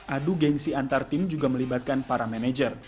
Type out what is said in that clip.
adu gengsi antar tim juga melibatkan para manajer